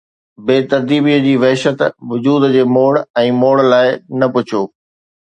بي ترتيبيءَ جي وحشت، وجود جي موڙ ۽ موڙ لاءِ نه پڇو